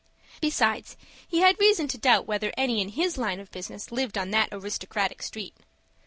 Besides, he had reason to doubt whether any in his line of business lived on that aristocratic street.